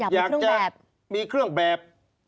อยากจะมีเครื่องแบบ